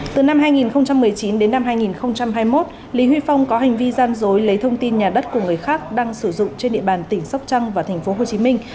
từ năm hai nghìn một mươi chín đến năm hai nghìn hai mươi một lý huy phong có hành vi gian dối lấy thông tin nhà đất của người khác đang sử dụng trên địa bàn tỉnh sóc trăng và thành phố hồ chí minh